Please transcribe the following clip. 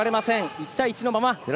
１対１のまま。